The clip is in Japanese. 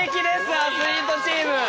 アスリートチーム。